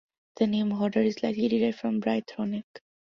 The name Hodder is likely derived from Brythonic.